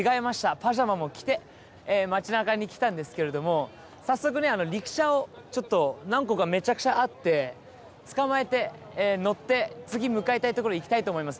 パジャマも着て街なかに来たんですけれども早速ねリキシャをちょっと何個かめちゃくちゃあってつかまえて乗って次向かいたい所に行きたいと思います。